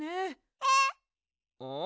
えっ？